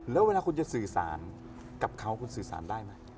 แล้วเวลาคุณจะสื่อสารกับเขาคุณสื่อสารได้ไหม